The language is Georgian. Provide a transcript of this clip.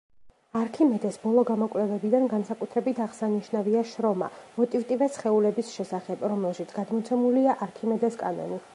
არქიმედეს ბოლო გამოკვლევებიდან განსაკუთრებით აღსანიშნავია შრომა „მოტივტივე სხეულების შესახებ“, რომელშიც გადმოცემულია არქიმედეს კანონი.